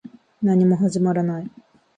何も始まらない